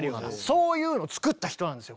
そういうの作った人なんですよ